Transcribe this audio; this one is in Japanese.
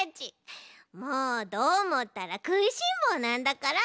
もうどーもったらくいしんぼうなんだから！